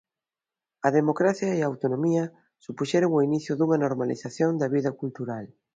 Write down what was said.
A democracia e a autonomía supuxeron o inicio dunha normalización da vida cultural.